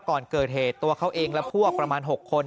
ก่อนเกิดเหตุตัวเขาเองและพวกประมาณ๖คน